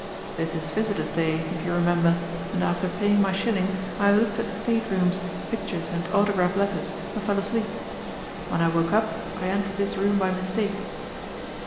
This is visitors day if you remember and after paying my shilling I looked at the state rooms, pictures and autograph letters and fell asleep. When I woke up I entered this room by mistake."